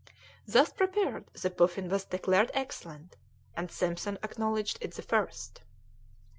Thus prepared the puffin was declared excellent, and Simpson acknowledged it the first.